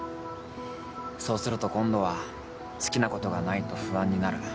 そうすると今度は好きなことがないと不安になる。